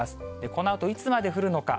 このあと、いつまで降るのか。